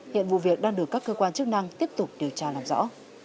hiện vụ việc đang được các cơ quan chức năng tiếp tục điều tra làm rõ